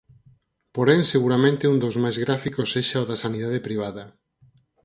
Porén seguramente un dos máis gráficos sexa o da sanidade privada.